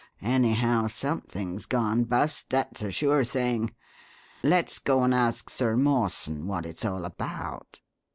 Anyhow, something's gone bust, that's a sure thing! Let's go and ask Sir Mawson what it's all about."